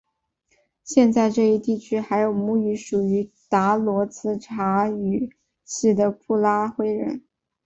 现在这一地区还有母语属于达罗毗荼语系的布拉灰人。